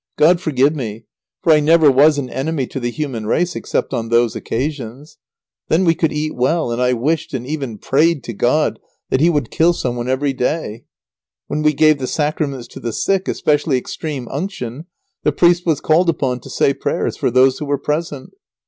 God forgive me! for I never was an enemy to the human race except on those occasions. Then we could eat well, and I wished, and even prayed to God that He would kill some one every day. When we gave the Sacraments to the sick, especially extreme unction, the priest was called upon to say prayers for those who were present.